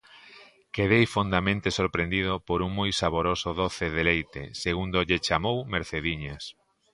Quedei fondamente sorprendido por un moi saboroso doce de leite, segundo lle chamou Mercediñas.